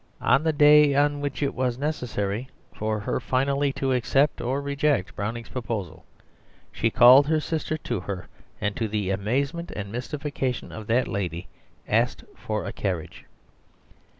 On the day on which it was necessary for her finally to accept or reject Browning's proposal, she called her sister to her, and to the amazement and mystification of that lady asked for a carriage.